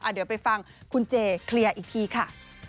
เดี๋ยวไปฟังคุณเจเคลียร์อีกทีค่ะ